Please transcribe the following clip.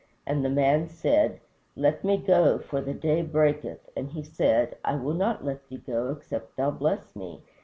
And the man said, Let me go, for the day breaketh; and he said, I will not let thee go except thou bless me.